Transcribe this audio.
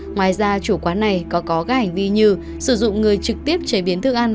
ngoài ra chủ quán này còn có các hành vi như sử dụng người trực tiếp chế biến thức ăn